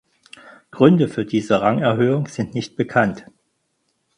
Gründe für diese Rangerhöhung sind nicht bekannt.